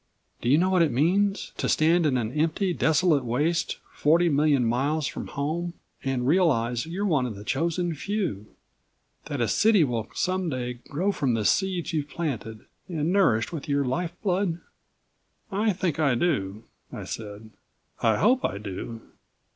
"Do you know what it means, to stand in an empty, desolate waste, forty million miles from home, and realize you're one of the chosen few that a city will some day grow from the seeds you've planted and nourished with your life blood?" "I think I do," I said. "I hope I do."